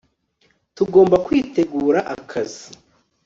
tugomba kwitegura akazi